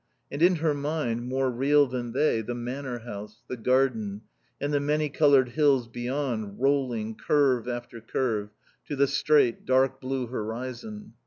And in her mind, more real than they, the Manor house, the garden, and the many coloured hills beyond, rolling, curve after curve, to the straight, dark blue horizon.